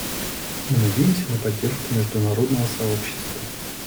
Мы надеемся на поддержку международного сообщества.